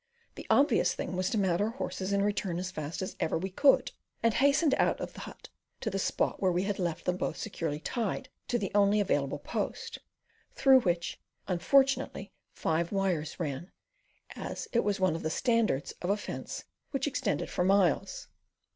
The obvious thing was to mount our horses and return as fast as ever we could, and we hastened out of the hut to the spot where we had left them both securely tied to the only available post, through which unfortunately five wires ran, as it was one of the "standards" of a fence which extended for miles.